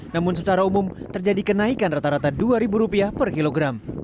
namun secara umum terjadi kenaikan rata rata rp dua per kilogram